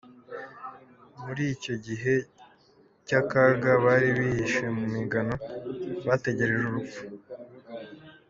Muri icyo gihe cy’akaga bari bihishe mu migano, bategereje urupfu.